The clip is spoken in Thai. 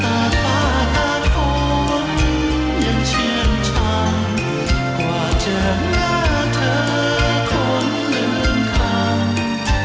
ต่าป้าต่าคนอย่างเชื่อนชังกว่าเจอหน้าเธอคนหนึ่งคำ